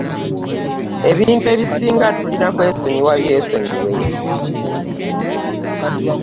ebintu ebisinga tulina kwesonyiwa byesonyiwe.